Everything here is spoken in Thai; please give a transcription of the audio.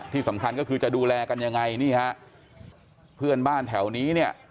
ที่สำคัญก็คือจะดูแลกันยังไงนี่ฮะเพื่อนบ้านแถวนี้เนี่ย